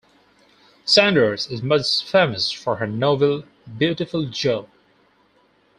Saunders is most famous for her novel "Beautiful Joe".